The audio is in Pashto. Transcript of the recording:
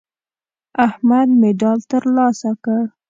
احمد مډال ترلاسه کړ.